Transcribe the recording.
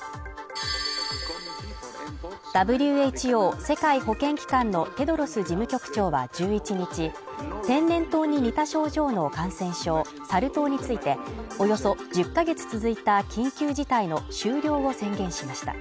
ＷＨＯ世界保健機関のテドロス事務局長は１１日、天然痘に似た症状の感染症サル痘についておよそ１０か月続いた緊急事態の終了を宣言しました。